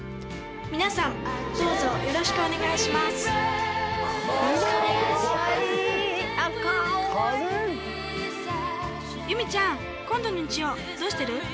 「皆さんどうぞよろしくお願いします」「ユミちゃん今度の日曜どうしてる？」